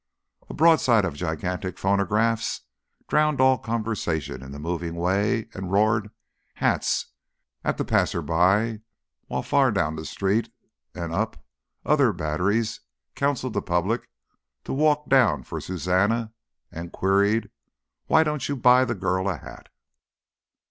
A broadside of gigantic phonographs drowned all conversation in the moving way and roared "hats" at the passer by, while far down the street and up, other batteries counselled the public to "walk down for Suzannah," and queried, "Why don't you buy the girl a hat?"